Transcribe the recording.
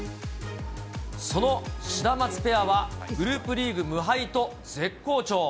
そのシダマツペアは、グループリーグ無敗と絶好調。